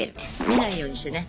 見ないようにしてね。